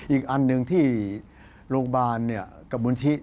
อีกอันหนึ่งที่โรงพยาบาลกับมูลชิ